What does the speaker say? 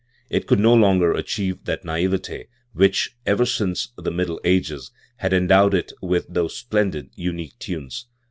It could no longer achieve that nai"vet which, ever since the Middle Ages, had endowed it with those splendid, unique times.